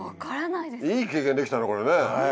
いい経験できたねこれね。